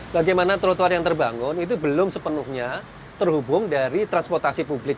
bagaimana trotoar yang terbangun itu belum sepenuhnya terhubung dari transportasi publik